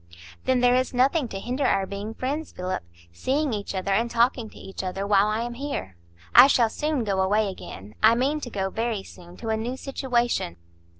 "Then there is nothing to hinder our being friends, Philip,—seeing each other and talking to each other while I am here; I shall soon go away again. I mean to go very soon, to a new situation."